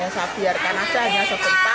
saya biarkan saja hanya segempa